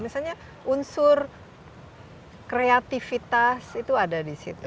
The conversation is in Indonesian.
misalnya unsur kreativitas itu ada di situ